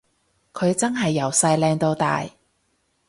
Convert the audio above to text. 佢真係由細靚到大